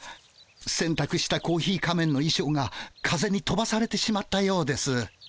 せんたくしたコーヒー仮面のいしょうが風にとばされてしまったようです。